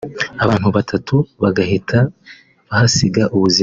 abantu batatu bagahita bahasiga ubuzima